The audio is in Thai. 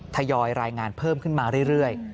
ทยอยรายงานเพิ่มขึ้นมาเรื่อย